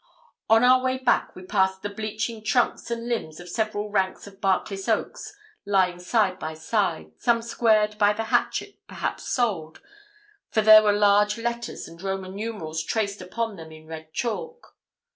On our way back we passed the bleaching trunks and limbs of several ranks of barkless oaks lying side by side, some squared by the hatchet, perhaps sold, for there were large letters and Roman numerals traced upon them in red chalk.